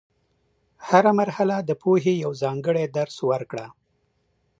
هره مرحله د پوهې یو ځانګړی درس ورکړه.